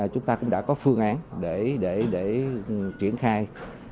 chúng ta cũng đã có phương án để triển khai